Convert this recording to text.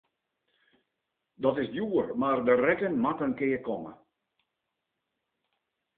Dat is djoer, mar de rekken moat in kear komme.